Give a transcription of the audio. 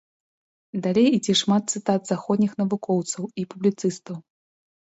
Далей ідзе шмат цытат заходніх навукоўцаў і публіцыстаў.